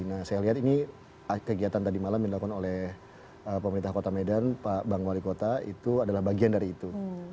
nah saya lihat ini kegiatan tadi malam yang dilakukan oleh pemerintah kota medan pak bang wali kota itu adalah bagian dari itu